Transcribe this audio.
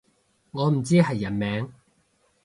我唔知係人名